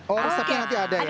oh resepnya nanti ada ya